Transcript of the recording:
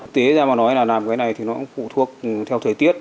tế ra mà nói là làm cái này thì nó cũng phụ thuộc theo thời tiết